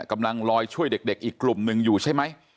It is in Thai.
กำลังลอยช่วยเด็กอีกกลุ่มหนึ่งอยู่ใช่ไหม